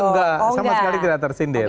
enggak sama sekali tidak tersindir